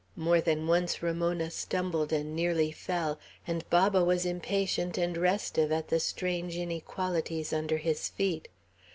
More than once Ramona stumbled and nearly fell, and Baba was impatient and restive at the strange inequalities under his feet.